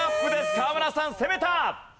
河村さん攻めた！